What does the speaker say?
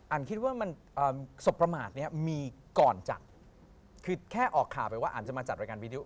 อ่านคิดว่าสบประมาทมีก่อนจัดคือแค่ออกข่าวไปว่าอ่านจะมาจัดรายการวีดีโอ